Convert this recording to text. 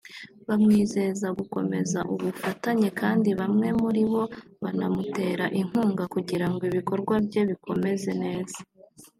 bamwizeza gukomeza ubufatanye kandi bamwe muri bo banamutera inkunga kugirango ibikorwa bye bikomeze neza